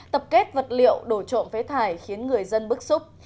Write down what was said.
tập kết vật liệu đổ trộm phế thải khiến người dân bức xúc